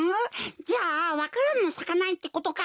じゃあわか蘭もさかないってことか？